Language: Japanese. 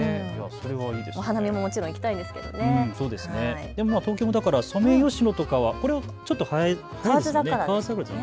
お花見ももちろん行きたいんですけど、東京もソメイヨシノとかはこれはちょっと河津桜、早いですよね。